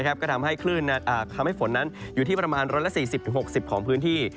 ก็ทำให้ฝนนั้นอยู่ที่ประมาณ๑๔๐๖๐ของพื้นที่